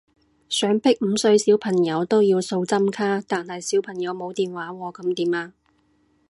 想逼五歲小朋友都要掃針卡，但係小朋友冇電話喎噉點啊？